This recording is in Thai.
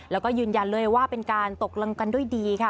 แล้วก็ยืนยันเลยว่าเป็นการตกลงกันด้วยดีค่ะ